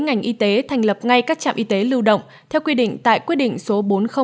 ngành y tế thành lập ngay các trạm y tế lưu động theo quy định tại quy định số bốn nghìn bốn mươi hai